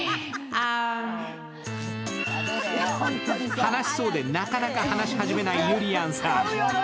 話しそうでなかなか話し始めないゆりやんさん。